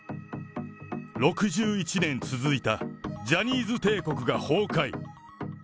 ６１年続いたジャニーズ帝国が崩壊。